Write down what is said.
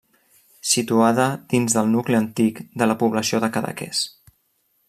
Situada dins del nucli antic de la població de Cadaqués.